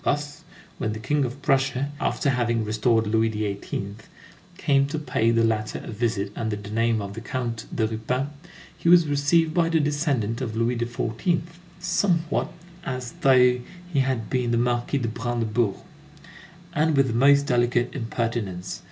Thus, when the King of Prussia, after having restored Louis XVIII., came to pay the latter a visit under the name of the Count de Ruppin, he was received by the descendant of Louis XIV. somewhat as though he had been the Marquis de Brandebourg, and with the most delicate impertinence.